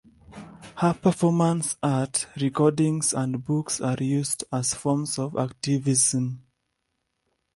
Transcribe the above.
Her performance art, recordings, and books are used as forms of activism.